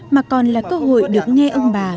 mà còn là cơ hội được nghe ông bà